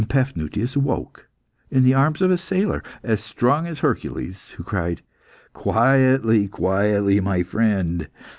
And Paphnutius woke in the arms of a sailor, as strong as Hercules, who cried "Quietly! quietly! my friend!